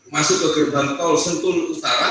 masuk ke gerbang tol sentul utara